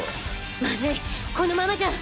まずいこのままじゃ。